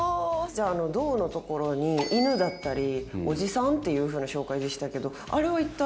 じゃあ胴のところに犬だったりおじさんっていうふうな紹介でしたけどあれは一体？